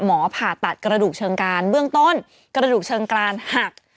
ผ่าตัดกระดูกเชิงการเบื้องต้นกระดูกเชิงกรานหัก